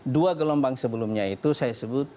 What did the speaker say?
dua gelombang sebelumnya itu saya sebut